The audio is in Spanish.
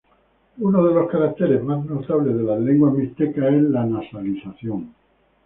Uno de los caracteres más notables de las lenguas mixtecas es la nasalización.